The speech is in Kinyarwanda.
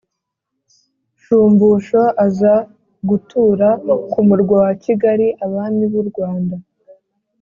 shumbusho, aza gutura ku murwa wa kigali. abami b'u rwanda